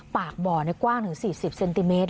ปากบ่อกว้างถึง๔๐เซนติเมตร